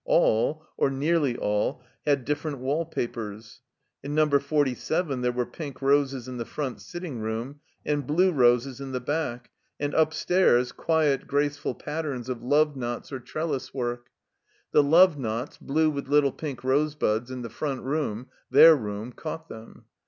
All, or nearly all, had different wall papers. In Number Forty seven there were pink roses in the front sitting room and blue roses in the back, and, upstairs, quiet, graceful patterns of love knots or trellis 136 THE COMBINED MAZE work. The love knots, blue with little pink rose buds, in the front room {their room) caught them.